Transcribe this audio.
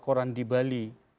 koran di bali